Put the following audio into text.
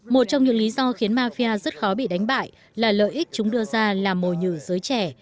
một trong những lý do khiến mafia rất khó bị đánh bại là lợi ích chúng đưa ra là mồi nhử giới trẻ